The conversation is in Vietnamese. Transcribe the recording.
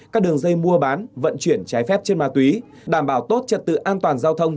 các đường dây mua bán vận chuyển trái phép trên ma túy đảm bảo tốt trật tự an toàn giao thông